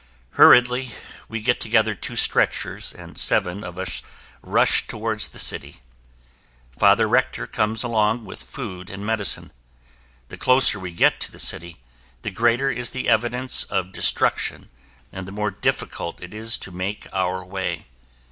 Hurriedly, we get together two stretchers and seven of us rush toward the city. Father Rektor comes along with food and medicine. The closer we get to the city, the greater is the evidence of destruction and the more difficult it is to make our way.